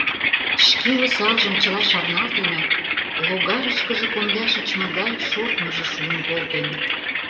Шке осалжым чыла шарналтенат, логарышкыже комыля шичме гай шортмыжо шуын колтен.